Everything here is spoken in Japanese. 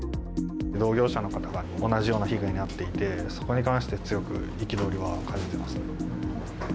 同業者の方が同じような被害に遭っていて、そこに関して強く憤りは感じてますね。